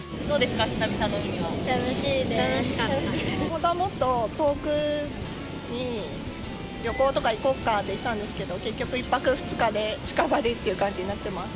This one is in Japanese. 本当はもっと遠くに旅行とか行こうかって言ってたんですけど、結局、１泊２日で近場でという感じになっています。